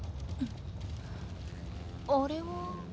「あれは」